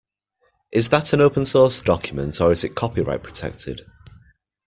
Is that an open source document, or is it copyright-protected?